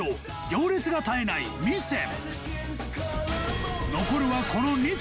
行列が絶えない味仙